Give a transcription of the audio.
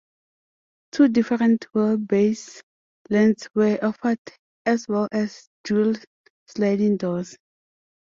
Two different wheelbase lengths were offered as well as dual sliding doors.